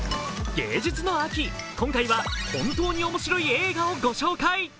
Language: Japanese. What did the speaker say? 芸術の秋、今回は本当に面白い映画をご紹介。